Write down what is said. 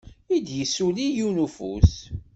I d-isuli yiwen n ufus.